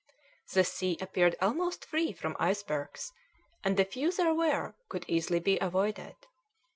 The sea appeared almost free from icebergs, and the few there were could easily be avoided.